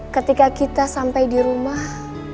ketika kita sampai di rumah